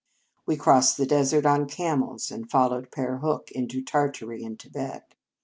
We crossed the desert on camels, and followed Pere Hue into Tartary and Thibet.